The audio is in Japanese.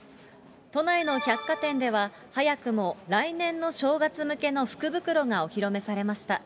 都内の百貨店では、早くも来年の正月向けの福袋がお披露目されました。